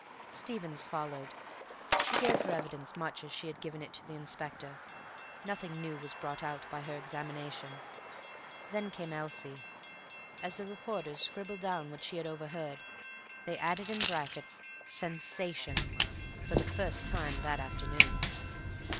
Stevens followed. She gave her evidence much as she had given it to the Inspector. Nothing new was brought out by her examination. Then came Elsie. As the reporters scribbled down what she had overheard, they added in brackets "Sensation" for the first time that afternoon.